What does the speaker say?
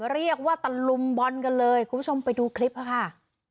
เรียกว่าตะลุมบอลกันเลยคุณผู้ชมไปดูคลิปค่ะ